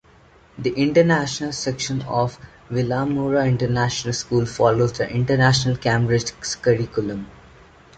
The International Section of Vilamoura International School follows the International Cambridge Curriculum.